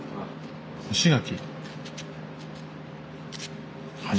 干し柿？